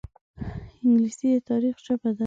انګلیسي د تاریخ ژبه ده